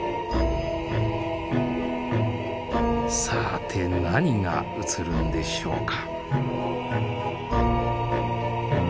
さて何が映るんでしょうか。